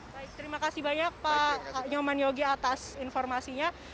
baik terima kasih banyak pak nyoman yogi atas informasinya